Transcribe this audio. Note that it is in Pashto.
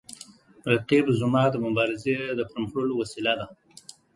رقیب زما د مبارزې د پرمخ وړلو وسیله ده